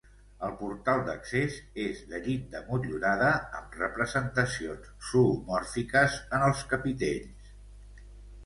El portal d'accés és de llinda motllurada amb representacions zoomòrfiques en els capitells.